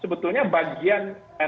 sebetulnya bagian efek dari